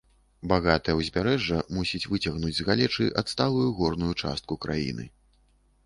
Багатае ўзбярэжжа мусіць выцягнуць з галечы адсталую горную частку краіны.